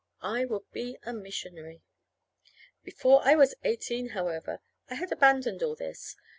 I would be a missionary. Before I was eighteen, however, I had abandoned all this.